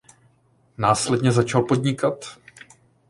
Následně začal podnikat.